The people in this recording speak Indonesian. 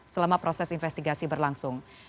selama proses investigasi berlangsung